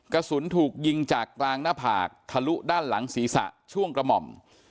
กระสุนถูกยิงจากกลางหน้าผากทะลุด้านหลังศีรษะช่วงกระหม่อม